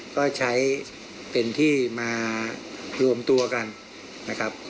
ก็ใช้เป็นที่มารวมตัวกันนะครับ